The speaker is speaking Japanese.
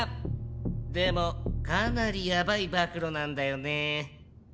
でもかなりやばい暴露なんだよね。